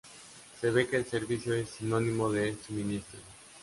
Se ve que el servicio es sinónimo de suministro.